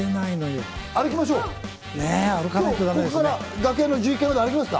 今日、ここから楽屋の１１階まで歩きますか？